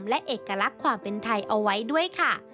และเอกลักษณ์ความเป็นไทยเอาไว้ด้วยค่ะ